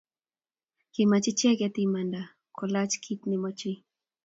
kimach icheget imanda kolaach kiit nemochei